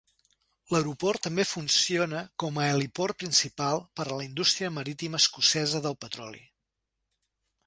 L'aeroport també funciona com a heliport principal per a la indústria marítima escocesa del petroli.